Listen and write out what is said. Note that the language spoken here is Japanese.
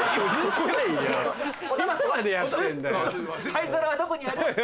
灰皿はどこにある？